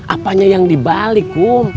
apanya yang dibalik kum